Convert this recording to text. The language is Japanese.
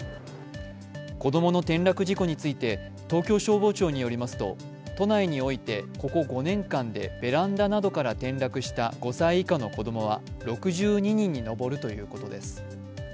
子供の転落事故について、東京消防庁によりますと、都内において、ここ５年間でベランダなどから転落した５歳以下の子供は６２人に上るということです。